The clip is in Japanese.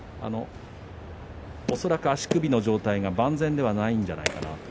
恐らく足首の状態が万全ではないんじゃないかなと。